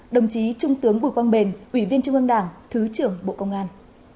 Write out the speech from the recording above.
đồng chí trung tướng bùi quang bền ủy viên trung ương đảng thứ trưởng bộ công an